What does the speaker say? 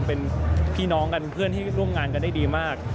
เป็นพี่น้องกันเป็นเพื่อนที่ร่วมงานกันได้ดีมาก